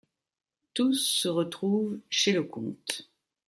Tous se retrouvent chez le comte.